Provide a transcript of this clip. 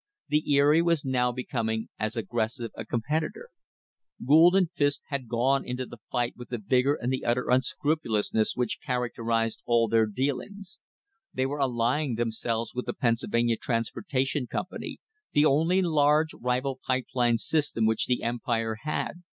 The Erie was now becoming as aggressive a competitor. Gould and Fisk had gone into the fight with the vigour and the utter unscrupu lousness which characterised all their dealings. They were allying themselves with the Pennsylvania Transportation Company, the only large rival pipe line system which the Empire had.